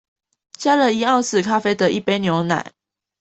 加了一盎司咖啡的一杯牛奶